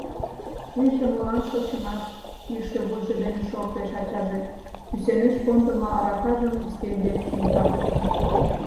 Тыйже молан шочынат? — йӱшӧ вуйжо дене шортеш ачаже, кӱсенеш кондымо аракажым ӱстембак шында.